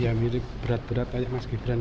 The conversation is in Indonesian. ya mirip berat berat kayak mas gibran